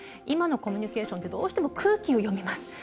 今のコミュニケーションってどうしても空気を読みます。